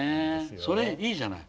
それいいじゃない。